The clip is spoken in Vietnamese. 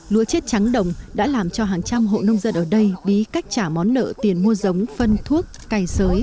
lúa chết trắng đồng đã làm cho hàng trăm hộ nông dân ở đây bí cách trả món nợ tiền mua giống phân thuốc cày sới